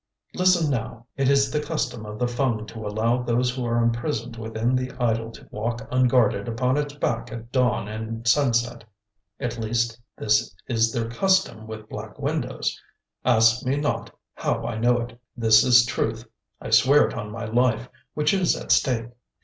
Listen, now, it is the custom of the Fung to allow those who are imprisoned within the idol to walk unguarded upon its back at dawn and sunset. At least, this is their custom with Black Windows—ask me not how I know it; this is truth, I swear it on my life, which is at stake.